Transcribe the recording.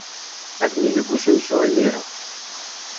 Atni deg usensu imir-a.